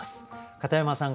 片山さん